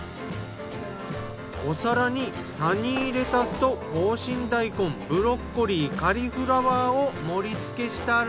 お皿にサニーレタスと紅心大根ブロッコリーカリフラワーを盛り付けしたら。